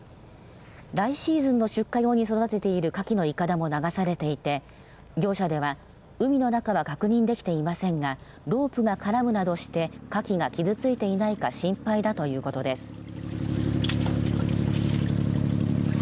来シーズンの出荷用に育てているカキのいかだも流されていて業者では、海の中は確認できていませんがロープが絡むなどしてカキが傷ついていないか心配だということです。